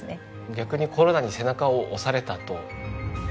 逆にコロナに背中を押されたと。